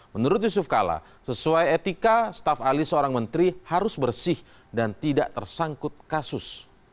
menurut yusuf kala sesuai etika staff ali seorang menteri harus bersih dan tidak tersangkut kasus